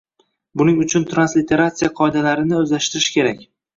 Buning uchun transliterasiya qoidalarini o‘zlashtirish kerak